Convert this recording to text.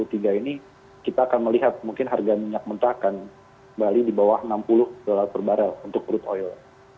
jadi tren ke depan sepanjang dua ribu dua puluh tiga ini kita akan melihat mungkin harga minyak mentah akan balik di bawah enam puluh dolar per barel untuk crude oil